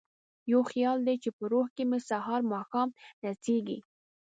یو خیال دی چې په روح کې مې سهار ماښام نڅیږي